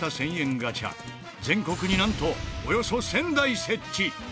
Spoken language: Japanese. ガチャ全国になんとおよそ１０００台設置！